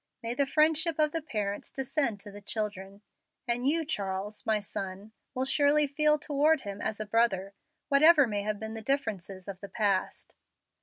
May the friendship of the parents descend to the children. And you, Charles, my son, will surely feel toward him as a brother, whatever may have been the differences of the past."